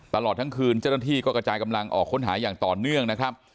ตลอดทั้งคืนเจ้าหน้าที่ก็กระจายกำลังออกค้นหาอย่างต่อเนื่องนะครับ